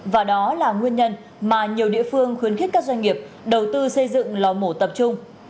và đó là nguyên nhân mà nhiều địa phương khuyến khích các doanh nghiệp đầu tư xây dựng lò mổ tập trung